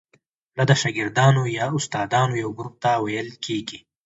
دا د شاګردانو یا استادانو یو ګروپ ته ویل کیږي.